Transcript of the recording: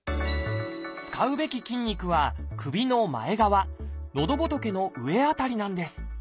使うべき筋肉は首の前側のどぼとけの上辺りなんです。